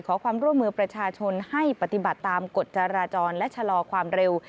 ขอความร่วมมือประชาชนให้ปฏิบัติตามกฎจราจรและชะลอความเร็ว